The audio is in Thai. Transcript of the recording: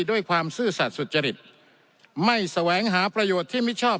ซื่อสัตว์สุจริตไม่แสวงหาประโยชน์ที่มิชอบ